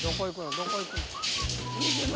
どこ行くの？